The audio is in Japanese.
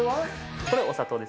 これはお砂糖です。